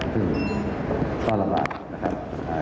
ซึ่งต้อระวังนะครับ